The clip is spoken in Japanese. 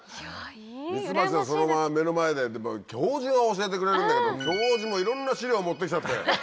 ミツバチをそのまま目の前で教授が教えてくれるんだけど教授もいろんな資料を持って来ちゃって。